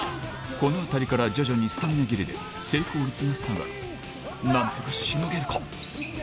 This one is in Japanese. この辺りから徐々にスタミナ切れで成功率が下がるなんとかしのげるか？